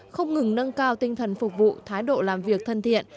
không ngừng nâng cao tinh thần phục vụ thái độ làm việc thân thiện